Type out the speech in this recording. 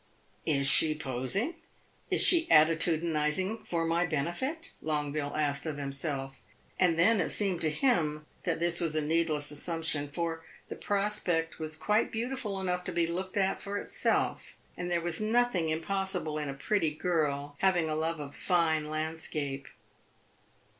"Is she posing is she attitudinizing for my benefit?" Longueville asked of himself. And then it seemed to him that this was a needless assumption, for the prospect was quite beautiful enough to be looked at for itself, and there was nothing impossible in a pretty girl having a love of fine landscape.